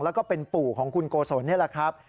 แล้วก็เป็นปู่ของคุณโกศลนี่แหละครับ